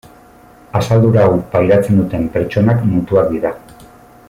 Asaldura hau pairatzen duten pertsonak mutuak dira.